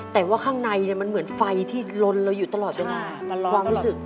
แต่ว่าข้างในมันเหมือนไฟที่ลนเราอยู่ตลอดเวลาความรู้สึก